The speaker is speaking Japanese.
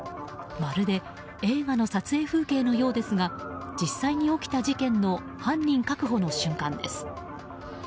まるで映画の撮影風景のようですが実際に起きた事件の犯人確保の瞬間です。